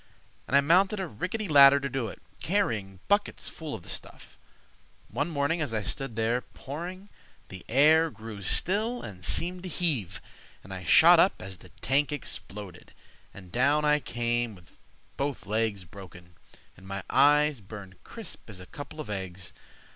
And I mounted a rickety ladder to do it, Carrying buckets full of the stuff. One morning, as I stood there pouring, The air grew still and seemed to heave, And I shot up as the tank exploded, And down I came with both legs broken, And my eyes burned crisp as a couple of eggs.